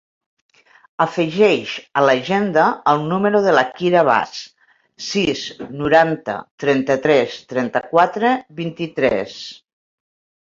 Afegeix a l'agenda el número de la Kira Vaz: sis, noranta, trenta-tres, trenta-quatre, vint-i-tres.